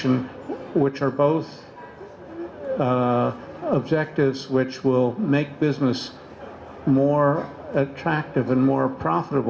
yang berdua adalah objektif yang akan membuat bisnis lebih menarik dan lebih berkembang